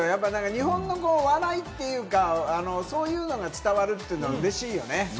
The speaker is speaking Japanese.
日本の笑いというか、そういうのが伝わるというのはうれしいよね。